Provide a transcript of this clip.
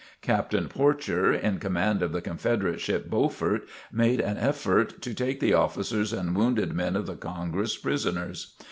Captain Porcher, in command of the Confederate ship "Beaufort," made an effort to take the officers and wounded men of the "Congress" prisoners.